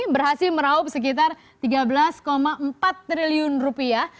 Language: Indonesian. berhasil meraup sekitar tiga belas empat triliun rupiah